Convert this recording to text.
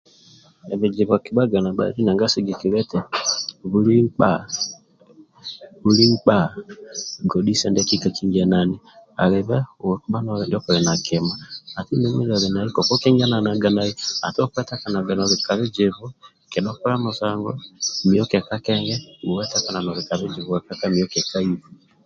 Bizibu akibhaga na madhi nanga sigikilia eti buli nkpa buli nkpa godhisa ndiaki kakinganani alibe bha ndio koli na kima mio nali nai ati okwetakanaga noli la bizibu kedha okola musango mio kekakenge wetakana noli ka bizibu mio kekaibe